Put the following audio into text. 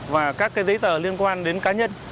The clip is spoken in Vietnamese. và các giấy tờ liên quan đến cá nhân